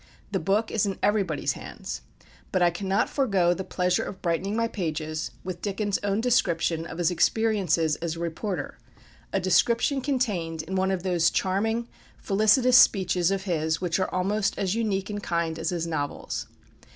The book is in everybody's hands. But I cannot forego the pleasure of brightening my pages with Dickens' own description of his experiences as a reporter, a description contained in one of those charming felicitous speeches of his which are almost as unique in kind as his novels.